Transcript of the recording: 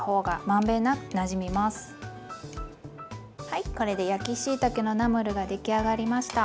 はいこれで焼きしいたけのナムルが出来上がりました！